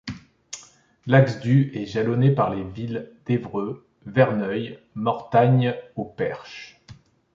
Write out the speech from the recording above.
L’axe du est jalonné par les villes d’Évreux, Verneuil, Mortagne-au-Perche.